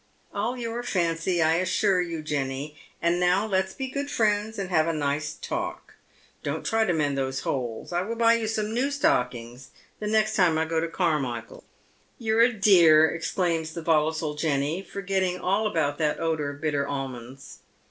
"All your fancy, I assure you, Jenny. And now let's be good friends, and have a nice talk. Don't try to mend those holes. I will buy you some new stockii gs the next time I go to Car michael's." " You're a dear !" exclaims the volatile Jenny, forgetting all about that odour of bitter almonds.